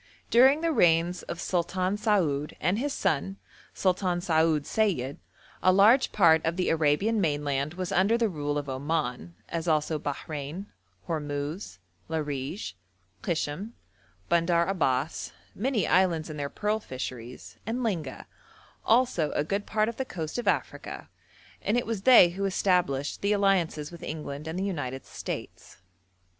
During the reigns of Sultan Saoud and his son Sultan Saoud Sayid, a large part of the Arabian mainland was under the rule of Oman, as also Bahrein, Hormuz, Larij, Kishm, Bandar Abbas, many islands and their pearl fisheries, and Linga, also a good part of the coast of Africa; and it was they who established the alliances with England and the United States.